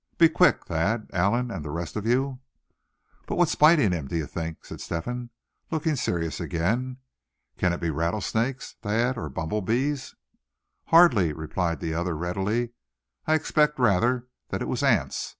Be quick, Thad, Allan, and the rest of you!" "But what's biting him, do you think?" said Step hen, looking serious again. "Can it be rattlesnakes, Thad, or bumble bees?" "Hardly," replied the other, readily; "I'd expect rather that it was ants.